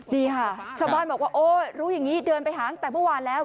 ดีค่ะชาวบ้านบอกว่าโอ้รู้อย่างนี้เดินไปหาตั้งแต่เมื่อวานแล้ว